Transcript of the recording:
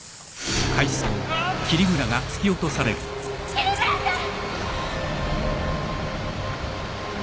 桐村さん！